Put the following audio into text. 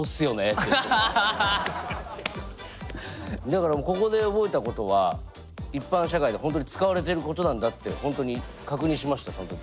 だからここで覚えたことは一般社会で本当に使われていることなんだって本当に確認しましたその時。